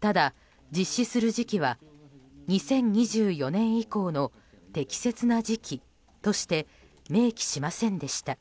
ただ、実施する時期は２０２４年以降の適切な時期として明記しませんでした。